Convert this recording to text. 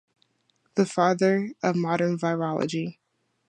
The father of modern virology.